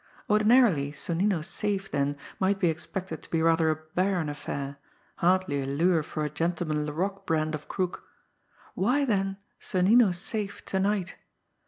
Ordinarily, Sonnino's safe, then, might be expected to be rather a barren affair, hardly a lure for a Gentleman Laroque brand of crook! Why, then, Sonnino's safe to night?